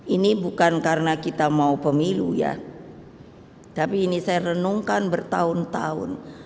ini bukan karena kita mau pemilu ya tapi ini saya renungkan bertahun tahun